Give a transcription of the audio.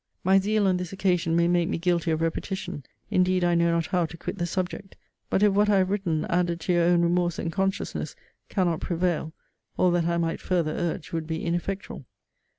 My zeal on this occasion may make me guilty of repetition. Indeed I know not how to quit the subject. But if what I have written, added to your own remorse and consciousness, cannot prevail, all that I might further urge would be ineffectual.